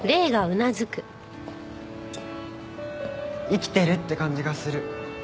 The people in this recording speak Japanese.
生きてるって感じがする。